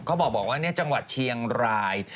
เขาบอกว่าจังหวัดเชียงราย